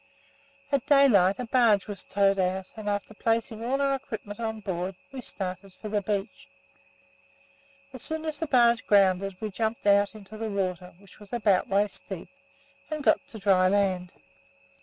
At daylight a barge was towed out and, after placing all our equipment on board, we started for the beach. As soon as the barge grounded, we jumped out into the water (which was about waist deep) and got to dry land.